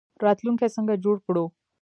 راتلونکی څنګه جوړ کړو؟